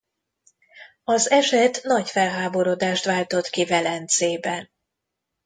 Az eset nagy felháborodást váltott ki Velencében.